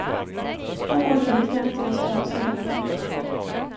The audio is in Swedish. Han orkade knappt ruska av sig vattnet.